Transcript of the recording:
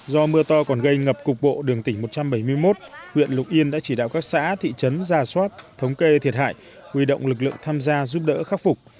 do mưa to còn gây ngập cục bộ đường tỉnh một trăm bảy mươi một huyện lục yên đã chỉ đạo các xã thị trấn ra soát thống kê thiệt hại huy động lực lượng tham gia giúp đỡ khắc phục